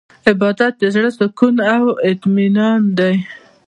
عبادت د زړه سکون او اطمینان دی.